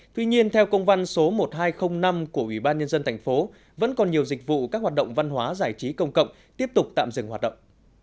tuy nhiên theo công văn số một nghìn hai trăm linh năm của ủy ban nhân dân thành phố vẫn còn nhiều dịch vụ các hoạt động văn hóa giải trí công cộng tiếp tục tạm dừng hoạt động